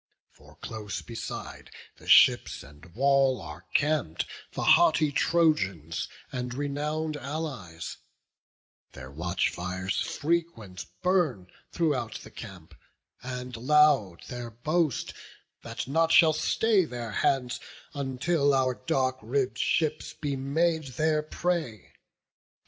For close beside the ships and wall are camp'd The haughty Trojans and renown'd allies: Their watch fires frequent burn throughout the camp; And loud their boast that nought shall stay their hands, Until our dark ribb'd ships be made their prey.